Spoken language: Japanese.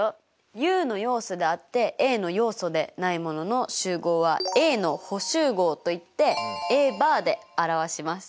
Ｕの要素であってＡの要素でないものの集合はＡの補集合といってＡバーで表します。